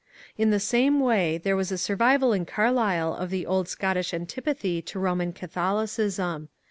In the same way there was a survival in Carlyle of the old Scottish antipathy to Roman Catholicism.